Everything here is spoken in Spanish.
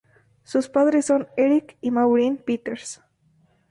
Sus padres son Eric y Maureen Peters.